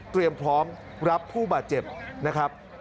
พร้อมรับผู้บาดเจ็บนะครับ